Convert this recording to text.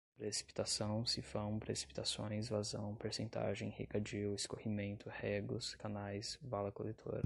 precipitação, sifão, precipitações, vazão, percentagem, regadio, escorrimento, regos, canais, vala coletora